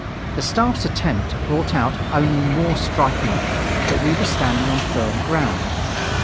The Staff's attempt brought out only more strikingly that we were standing on firm ground.